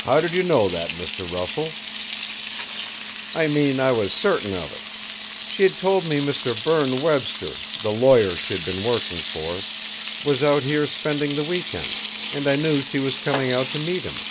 "How did you know that, Mr. Russell?" "I mean I was certain of it. She'd told me Mr. Berne Webster, the lawyer she'd been working for, was out here spending the week end; and I knew she was coming out to meet him."